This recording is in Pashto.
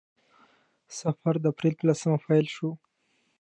سفر د اپریل په لسمه پیل شو.